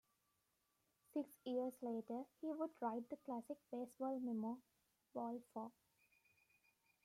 Six years later, he would write the classic baseball memoir, "Ball Four".